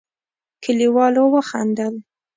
کليوالو وخندل.